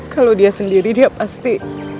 kalau dia sendiri dia pasti